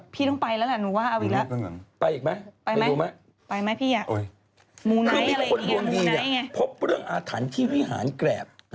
พี่ต้องไปแล้วแหละหนูว่าเอาอีกแล้ว